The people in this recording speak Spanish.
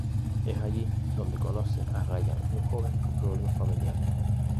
Es allí donde conoce a Ryan, un joven con problemas familiares.